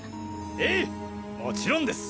ええもちろんです！